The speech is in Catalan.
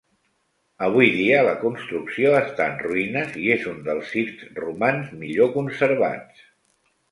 Avui dia la construcció està en ruïnes, i és un dels circs romans millor conservats.